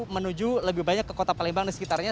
menuju lebih banyak ke kota palembang dan sekitarnya